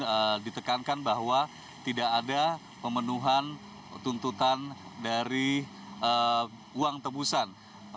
yang ditekankan bahwa tidak ada pemenuhan tuntutan dari uang tebusan